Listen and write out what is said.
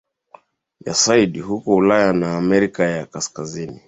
ya asidi huko Ulaya na Amerika ya Kaskazin